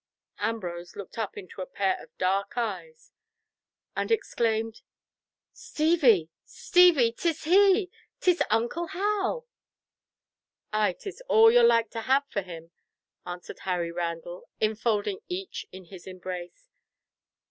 Ambrose looked up into a pair of dark eyes, and exclaimed "Stevie, Stevie, 'tis he. 'Tis uncle Hal." "Ay, 'tis all you're like to have for him," answered Harry Randall, enfolding each in his embrace.